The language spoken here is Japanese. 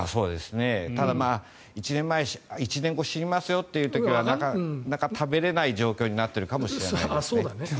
ただ、１年後、死にますよという時はなかなか食べれない状況になっているかもしれないですし。